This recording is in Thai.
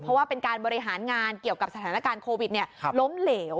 เพราะว่าเป็นการบริหารงานเกี่ยวกับสถานการณ์โควิดล้มเหลว